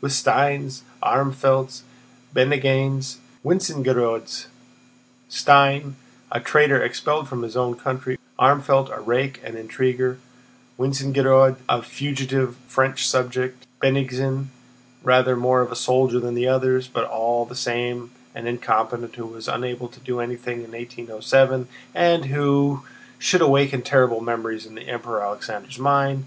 With Steins, Armfeldts, Bennigsens, and Wintzingerodes! Stein, a traitor expelled from his own country; Armfeldt, a rake and an intriguer; Wintzingerode, a fugitive French subject; Bennigsen, rather more of a soldier than the others, but all the same an incompetent who was unable to do anything in 1807 and who should awaken terrible memories in the Emperor Alexander's mind....